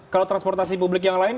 kalau transportasi publik yang lain